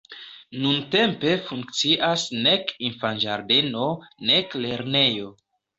Nuntempe funkcias nek infanĝardeno, nek lernejo.